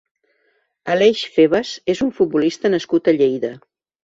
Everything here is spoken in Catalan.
Aleix Febas és un futbolista nascut a Lleida.